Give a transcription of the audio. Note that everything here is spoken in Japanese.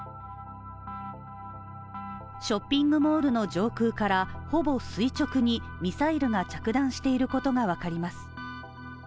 ショッピングモールの上空からほぼ垂直にミサイルが着弾していることが分かります。